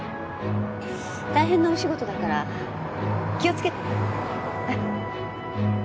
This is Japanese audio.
大変なお仕事だから気をつけてね。